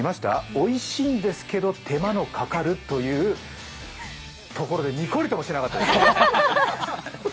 おいしいんですけど、手間のかかるというところでにこりともしなかったですよ。